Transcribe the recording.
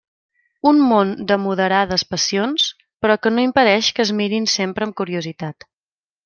Un món de moderades passions, però que no impedeix que es miren sempre amb curiositat.